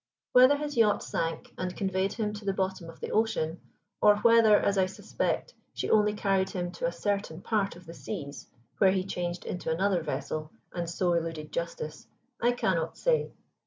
Whether his yacht sank and conveyed him to the bottom of the ocean, or whether, as I suspect, she only carried him to a certain part of the seas where he changed into another vessel and so eluded justice, I cannot say.